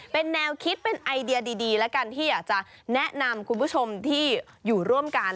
เป็นแนวคิดเป็นไอเดียดีแล้วกันที่อยากจะแนะนำคุณผู้ชมที่อยู่ร่วมกัน